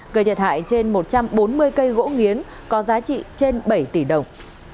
gây thiệt hại trên một trăm bốn mươi cây gỗ nghiến có giá trị trên bảy tỷ đồng